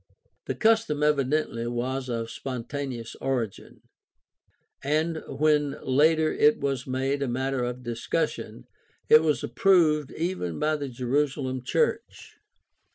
The custom evidently was of spontaneous origin, and when later it was made a matter of discussion it was approved even by the Jerusalem church.